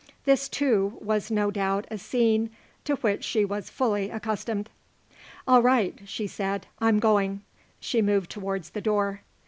This, too, was no doubt a scene to which she was fully accustomed. "All right," she said, "I'm going." She moved towards the door.